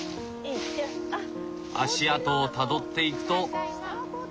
足跡をたどっていくと。